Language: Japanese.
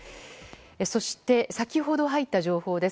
そして、先ほど入った情報です。